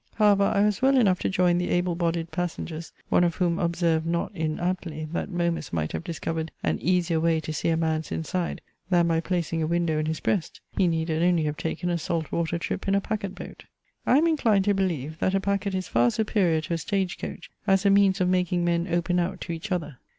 However, I was well enough to join the able bodied passengers, one of whom observed not inaptly, that Momus might have discovered an easier way to see a man's inside, than by placing a window in his breast. He needed only have taken a saltwater trip in a packet boat. I am inclined to believe, that a packet is far superior to a stage coach, as a means of making men open out to each other.